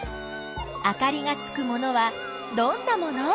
あかりがつくものはどんなもの？